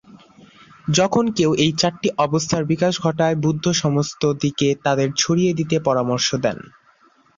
যখন কেউ এই চারটি অবস্থার বিকাশ ঘটায়, বুদ্ধ সমস্ত দিকে তাদের ছড়িয়ে দিতে পরামর্শ দেন।